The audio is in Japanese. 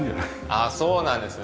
ああそうなんですよ。